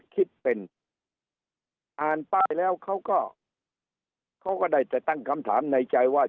คิดเป็นอ่านป้ายแล้วเขาก็เขาก็ได้แต่ตั้งคำถามในใจว่า